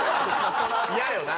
嫌よな。